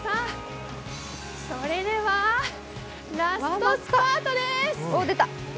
それではラストスパートです。